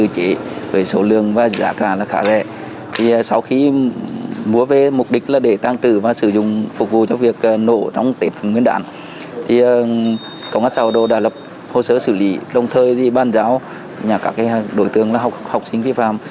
công an xã hộ độ đã lập hồ sơ xử lý đồng thời bàn giáo các đối tượng là học sinh tiếp phạm